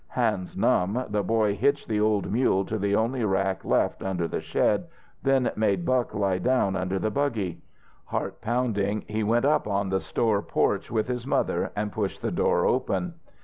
Hands numb, the boy hitched the old mule to the only rack left under the shed, then made Buck lie down under the buggy. Heart pounding, he went up on the store porch with his mother and pushed the door open.